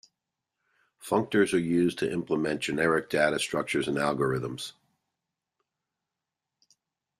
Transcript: Functors are used to implement generic data structures and algorithms.